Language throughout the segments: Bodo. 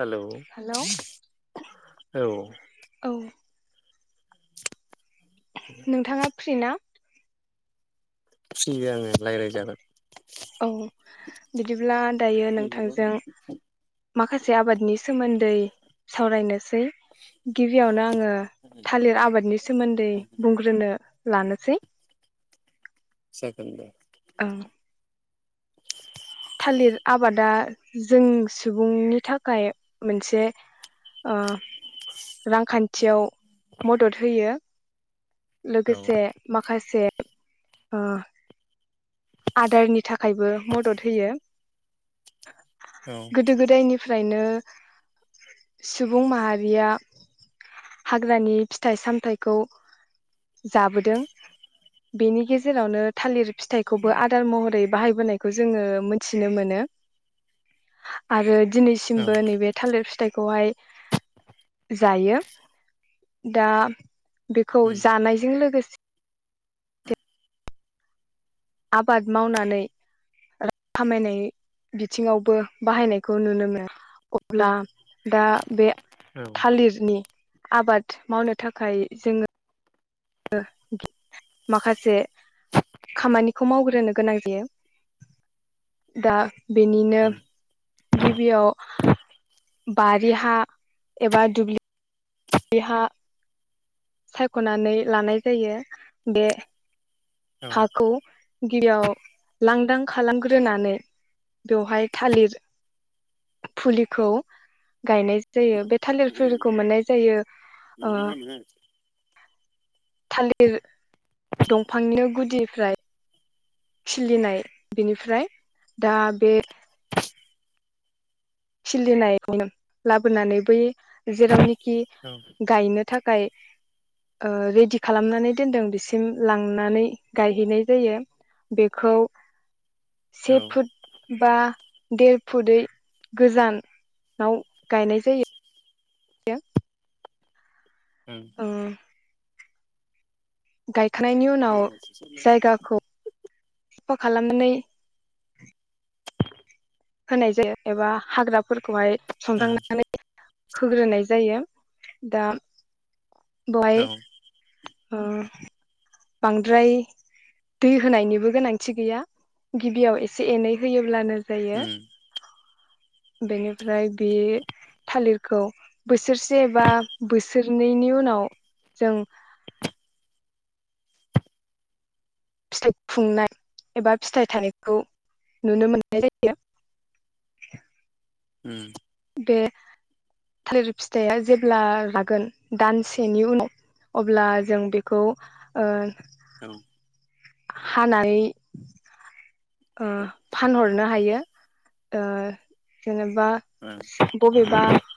हेलौ हेलौ औ औ नोंथाङा फ्रिना फ्रि आङो रायलायजागोन, औ बिदिब्ला दायो नोंथांजों माखासे आबादनि सोमोन्दै सावरायनो, सै गिबियावनो आङो थालिर आबादनि सोमोन्दै बुंग्रोनो लानोसै जागोन दे ओं थालिर आबादा जों सुबुंनि थाखाय मोनसे ओ रांखान्थियाव ओ मदद होयो, औ लोगोसे माखासे आ आदारनि थाखायबो मदद होयो, औ गोदो गोदायनि फ्रायनो सुबुं माहारिया हाग्रानि फिथाइ सामथखौ जाबोदों बेनि गेजेरावनो थालिर फिथ खौबो आदार महरै बाहायबोनायखौ जोङो मोनथिनो मोनो आरो औ दिनैसिमबो नैबे थालिर फिथाइ खौहाय जायो दा, बेखौ जानायजों लोगो आबाद मावनानै रां खामायनाय बिथिङावबो बाहायनायखौ नुनो मोना अब्ला दा बे थालिरनि आबाद मावनो थाखाय जोङो, [unintelligible] माखासे खामानिखौ मावग्रोनो गोनां जायो दा बेनिनो गिबियाव बारि हा एबा दुब्लि। बिहा सायखनानै लानाय जायो बे हाखौ [inaudible] लांदां खालामग्रोनानै बेवहाय थालिर फुलिखौ गायनाय जायो बे थालिरफोरखौ मोननाय जायो। ओ [inaudible] थालिर दंफांनो गुलिनिफ्राय खिलिनाय बेनिफ्राय दा बे खिलिनायखौ लाबोनानै बै जेरावनि खि गायनो थाखाय ओ रेडि खालामनानै दोनदों बिसिम लांनानै गायहैनाय जायो बेखौ। से औ फुट बा देर फुदै। गोजानाव गायनाय जायो। [inaudible] हागोन ओह गायखानायनि उनाव उनाव जायगाखौ खालामनानै होनाय जायो एबा हाग्राफोरखौहाय [inaudible] होग्रोनाय जायो दा बहाय ओह बांद्राय दै होनायनिबो गोनांथि गैया गिबियाव एसे एनै होयोब्लानो जायो बेनिफ्राय बे थालिरखौ बोसोरसेबा बोसोरनैनि उनाव जों। फिथाइ खुंनाय एबा फिथाइ थानायखौ नुनो मोननाय जायो। उम। बे थालिर फिथाइया जेब्ला रागोन दानसेनि उनाव अब्ला जों बेखौ। हानानै ओ फानहरनो हायो जेने बा बबे बाह।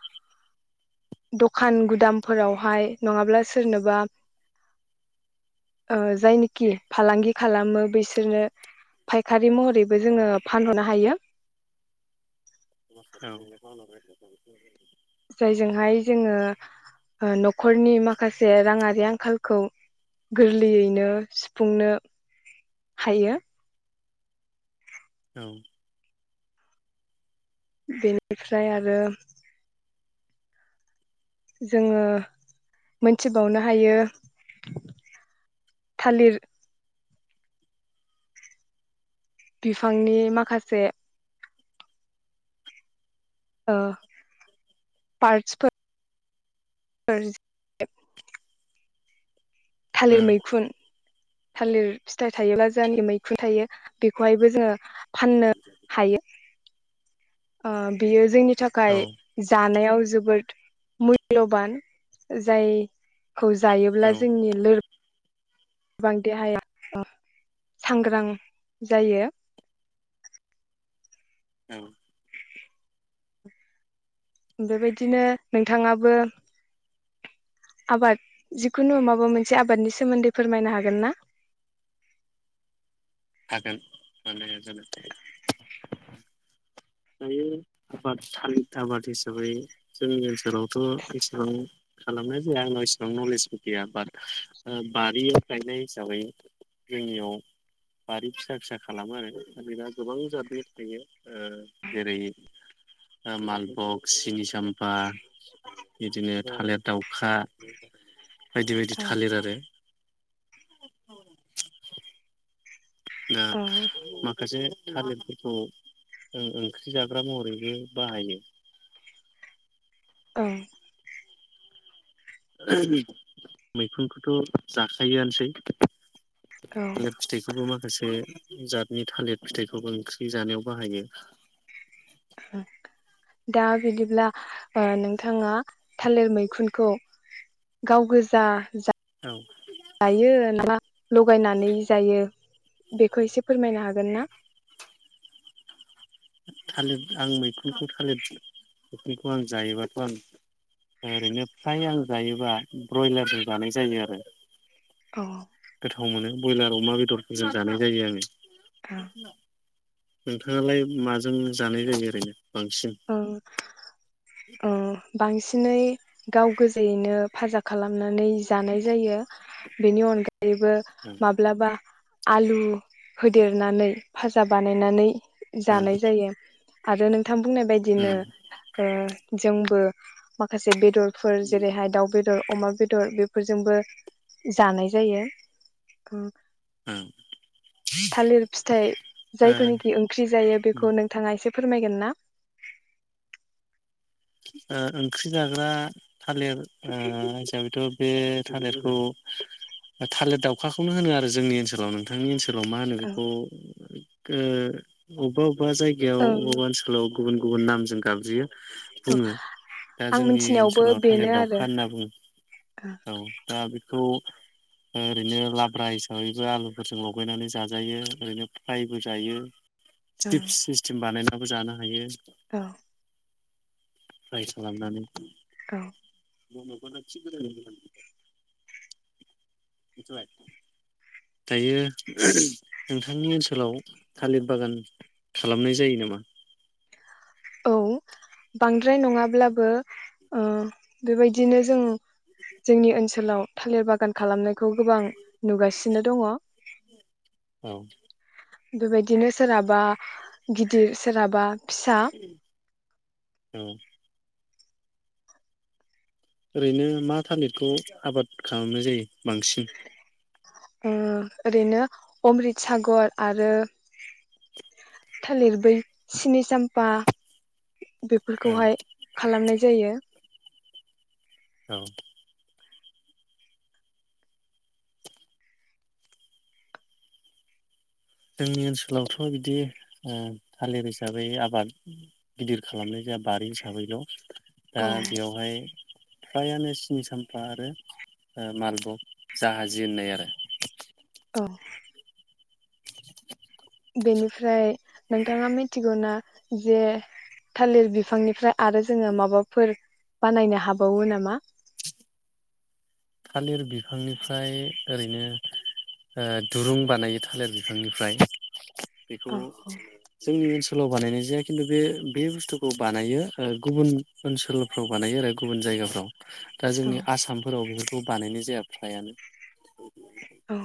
दखान गुदामफोरावहाय नङाब्ला सोरनोबा ओ जायनिखि फालांगि खालामो बिसोरनो फायखारि महरैबो जोङो फानहरनो हायो। ओ। जायजोंहाय जोङो नखरनि माखासे राङारि आंखालखौ गोरलैयैनो सुफुंनो हायो। औ। बेनिफ्राय आरो जोङो मोनथिबावनो हायो थालिर बि फांनि माखासे। ओ पार्टसफोर थालिर मैखुन थालिर फिथाइ थायोब्ला जानि मैखुन थायो बेखौहायबो जोङो फाननो हायो। ओ बेयो जोंनि थाखाय जानायाव जोबोद मुल्यबान जाय खौ जायोब्ला जोंनि लोर बां देहाया अ सांग्रां जायो। उम बेबायदिनो नोंथाङाबो आबाद जिखुनु माबा मोनसे आबादनि सोमोन्दै फोरमायनो हागोन ना? हागोन माने दायो आबाद थालि आबाद हिसाबै जोंनि ओनसोलावथ एसेबां खालामनाय जाया आंनाव इसेबां नलेजबो गैया बाट ओ बारियाव गायनाय हिसाबै जोंनियाव बारि फिसा फिसा खालामो आरो थालिरा गोबां जादनि थायो ओ जेरै ओ मालफग सिनि साम्फा इदिनो थालिर दाउखा बायदि बायदि औ थालिर आरो दा माखासे थालिरफोरखौ ओ ओंख्रि जाग्रा महरैबो बाहायो ओं मैखुनखौथ जाखायोआनोसै औ थालिर फिथाइखौबो माखासे जातनि थालिर फिथाइखौबो ओंख्रि जानायाव बाहायो दा बिदिब्ला ओ नोंथाङा थालिर मैखुनखौ गाव गोजा जा औ जायो ना लगायनानै जायो बेखौ एसे फोरमायनो हा गोनना? थालिर आं मैखुनखौ थालिर मैखुनखौ आं जायोबाथ आं ओरैनो फ्राय आं जायोबा ब्रयलारजों जानाय जायो आरो अ गोथाव मोनो बयलार अमा बेदरफोरजों जानाय जायो आङो औ [unintelligible] नोंथाङालाय माजों जानाय जायो ओरैनो? बांसिन औ ओ बांसिनै गाव गोजायैनो फाजा खालामनानै जानाय जायो बेनि अनगा यैबो ओ माब्लाबा आलु होदेरनानै फाजा बानायनानै जानाय जायो आरो नोंथां। बुंनाय बायदिनो। उम जोंबो माखासे बेदर। फोर जेरैहाय दाउ बेद‌। बेदर अमा बेदर बेफोरजोंबो जानाय जायो। ओ थालिर फिथाइ ओ जायखौनिखि ओंख्रि जायो बेखौ नोंथाङा एसे। फोरमायगोन ना? ओ ओंख्रि जाग्रा थालिर हिसाबैथ बे थालिरखौ थालिर दाउखाखौनो होनो आरो जोंनि ओनसोलाव नोंथांनि ओनसोलाव लाव मा होनो ओं बेखौ ए उबाव। अबा जायगायाव अबा ओं ओनसोलाव गुबुन गुबुन नामजों गाबज्रियो। औ बुङो दा आं जोंनि मिथिनायावबो ओनसोलाव थालिर बेनो दाउखा आरो होनना बुङो ओं औ दा बे। बेखौ ओरैनो लाब्रा हिसाबैबो आलुफोरजों लगायनानै जाजायो ओरैनो फ्रायबो जायो। ओं चिप्स सिस्टेम बानायनांगौ जानो हायो। औ। रायस खालाम नानै। औ। [inaudible] दायो नोंथांनि ओनसोलाव थालिर बागान खालामनाय जायो नामा? औ बांद्राय नङाब्लाबो ओ बेबायदिनो जों जोंनि ओनसोलाव थालिर बागान खालामनायखौ गोबां नुगासिनो दङ। औ। बेबायदिनो सोरहाबा गिदिर सोरहाबा फिसा। औ। ओरैनो मा थालिरखौ आबाद खालामनाय जायो बांसिन। ओरैनो अमृत सागर आरो थालिर बै सिनि चाम्फा ओं बेफोरखौहाय खालामनाय जायो। औ। जोंनि ओनसोलावथ बिदि थालिर हिसाबै आबाद गिदिर खालामनाय जाया बारि हिसाबैल'। दा औ बेयावहाय फ्रायानो सिनि साम्फा आरो मालबक जाहाजि होननाय आरो। औ। बेनिफ्राय नोंथाङा मिथिगौना जे थालिर बिफांनिफ्राय आरो जोङो माबाफोर बानायनो हाबावो नामा? थालिर बिफांनिफ्राय ओरैनो दुरुं बानायो थालिर बिफांनिफ्राय। बेखौ औ जोंनि ओनसोलाव बानायनाय जायाखै खिन्थु बे बे बुस्थुखौ बानायो गुबुन ओनसोलफ्राव बानायो आरो गुबुन जायगाफ्राव दा औ जोंनि आसामफोराव बेफोर बेखौ बानायनाय जाया फ्रायानो औ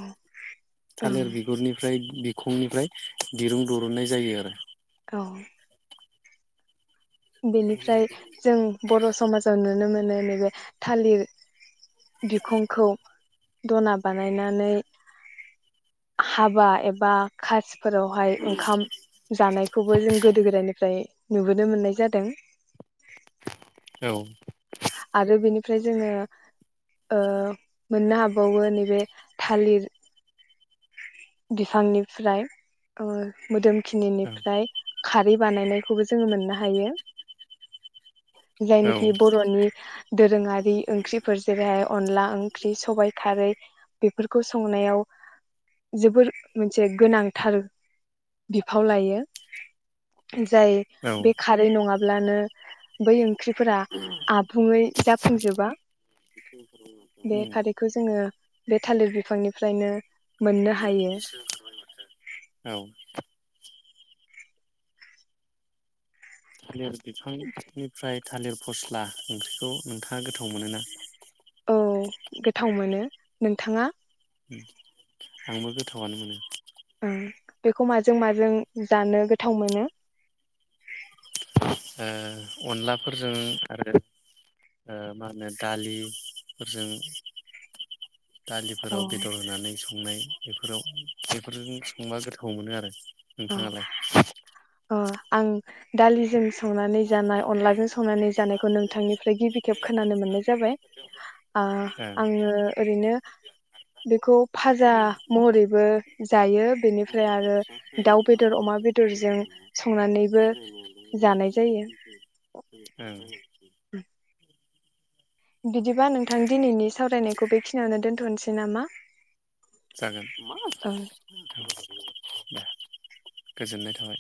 थालिर ओं बिगुरनिफ्राय बिखंनिफ्राय दिरुं बरननाय जायो आरो औ बेनिफ्राय जों बर समाजाव नुनो मोनो निबो थालिर बिफांखौ दना बानायनानै हाबा एबा खास फोरावहाय ओंखाम जानायखौबो जों गोदो गोदायनिफ्राय नुबोनो मोननाय जाद दों औ ओमफ्राय जोङो ओ मोननो हाबावो नैबे थालिर बिफांनिफ्राय मोदोम औ खिनिफ्राय खारै बानायनायखौबो जोङो मोननो हायो औ जायनोखि बरनि दोरोङारि ओंख्रिफोर जेरैहाय अनला ओंख्रि सबाइ खारै बे बेफोरखौ संनायाव जोबोर मोनसे गोनांथार बिफाव लायो। जाय बे खारै नङा ब्लानो बै ओं ओंख्रिफोरा आबुङै जाफुंजोबा बे उम खारैखौ जोङो बे थालिर बिफांनिफ्रायनो मोनो नै बेसो ओंखार बाय माथो औ हायो आरो बिफांनिफ्राय थालिर फस्ला ओंख्रिखौ नोंथाङा गोथाव मोनोना? औ गोथाव मोनो नोंथाङा आंबो गोथावआनो मोनो। बेखौ माजों माजों जानो गोथाव मोनो? ओ अनलाफोरजों आरो ओ मा होनो दालिफोरजों औ दालिफोराव बेदर होनानै संनाय बेफोराव बेफोरजों संबा गोथाव मोनो आरो नोंथाङालाय? अ आं दालिजों संनानै जानाय अनलाजों संनानै जानाय खौ नोंथांनिफ्राय गिबि खेब खोनानो मोननाय जाबाय आ ओं आङो ओरैनो बेखौ फाजा महरैबो जायो बेनिफ्राय आरो दाउ बेदर अमा बेदरजों संनानैबो जानाय जायो। ओं बिदिबा नोंथां दिनैनि सावरायनायखौ बेखिनियावनो दोन्थ' नोसै नामा? जागोन। ओं गोजोननाय थाबाय